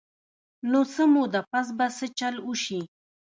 نو څۀ موده پس به څۀ چل اوشي -